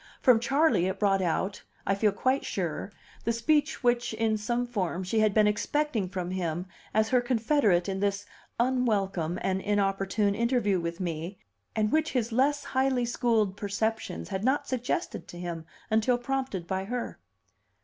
From Charley it brought out, I feel quite sure, the speech which (in some form) she had been expecting from him as her confederate in this unwelcome and inopportune interview with me, and which his less highly schooled perceptions had not suggested to him until prompted by her.